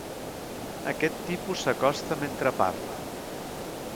Aquest tipus s'acosta mentre parla.